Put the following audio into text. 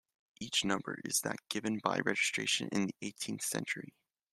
The number is that given by registration in the eighteenth century.